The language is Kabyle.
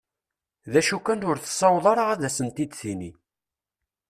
D acu kan ur tessaweḍ ara ad asent-id-tini.